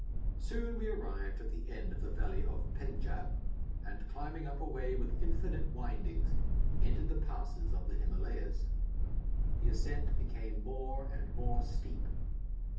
Soon we arrived at the end of the valley of Pendjab, and climbing up a way with infinite windings, entered the passes of the Himalayas. The ascent became more and more steep.